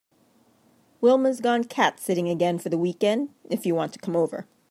Wilma’s gone cat sitting again for the weekend if you want to come over.